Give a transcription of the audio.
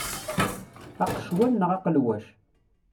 Aqecwal neɣ aqelwac?